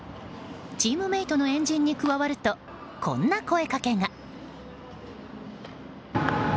チームメートの円陣に加わるとこんな声かけが。